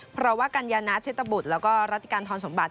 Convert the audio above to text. เพราะว่ากันยานัทเชศบุรรณแล้วก็รติการทอนสมบัติ